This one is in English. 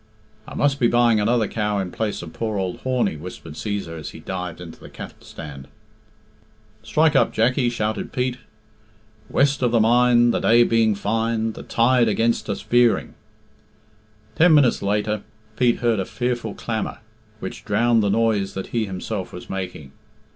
"I must be buying another cow in place of poor ould Horney," whispered Cæsar as he dived into the cattle stand. "Strike up, Jackie," shouted Pete. "West of the mine, The day being fine. The tide against us veering." Ten minutes later Pete heard a fearful clamour, which drowned the noise that he himself was making.